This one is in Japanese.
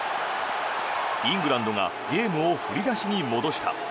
イングランドがゲームを振り出しに戻した。